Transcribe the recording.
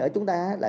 ở chúng ta là